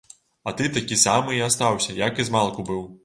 А ты такі самы і астаўся, як і змалку быў.